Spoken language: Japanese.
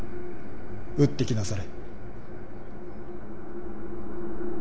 打ってきなされ。